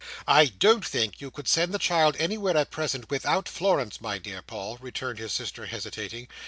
"I don't think you could send the child anywhere at present without Florence, my dear Paul," returned his sister, hesitating.